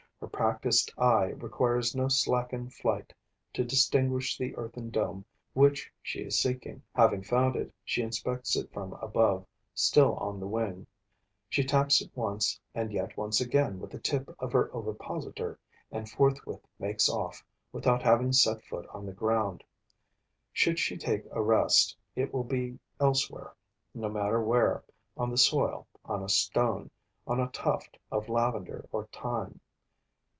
Her practiced eye requires no slackened flight to distinguish the earthen dome which she is seeking. Having found it, she inspects it from above, still on the wing; she taps it once and yet once again with the tip of her ovipositor and forthwith makes off, without having set foot on the ground. Should she take a rest, it will be elsewhere, no matter where, on the soil, on a stone, on a tuft of lavender or thyme.